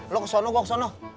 lo kesana gue kesana